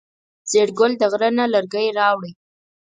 زیړ ګل د غره نه لرګی راوړی.